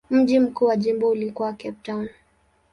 Mji mkuu wa jimbo ulikuwa Cape Town.